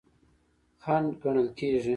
خنډ ګڼل کیږي.